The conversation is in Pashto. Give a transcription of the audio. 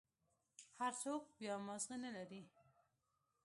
هر سوک بيا مازغه نلري.